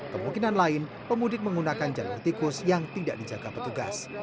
kemungkinan lain pemudik menggunakan jalur tikus yang tidak dijaga petugas